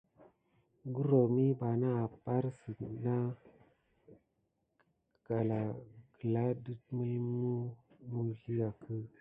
Goryom miɓanà aprisa ɗi nà na kaɗa gəla dət məlməw məwsliakə.